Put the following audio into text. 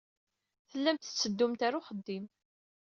Tellamt tetteddumt ɣer uxeddim.